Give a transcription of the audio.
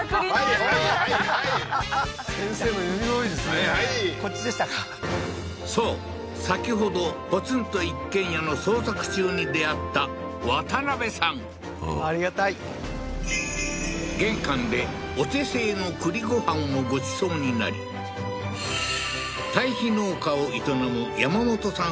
はいはいこっちでしたかそう先ほどポツンと一軒家の捜索中に出会ったありがたい玄関でお手製の栗ご飯をごちそうになり堆肥農家を営む山本さん